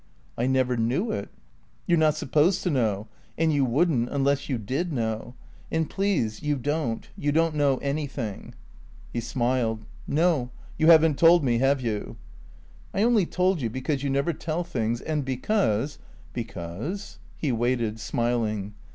"I never knew it." "You're not supposed to know. And you wouldn't, unless you did know. And please you don't; you don't know anything." He smiled. "No. You haven't told me, have you?" "I only told you because you never tell things, and because " "Because?" He waited, smiling.